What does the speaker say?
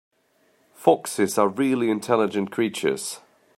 Foxes are really intelligent creatures.